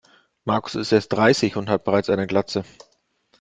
Markus ist erst dreißig und hat bereits eine Glatze.